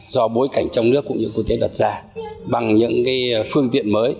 do bối cảnh trong nước của những quốc tế đặt ra bằng những phương tiện mới